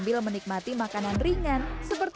karena tau kok misalnya eh